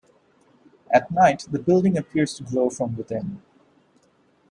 At night, the building appears to glow from within.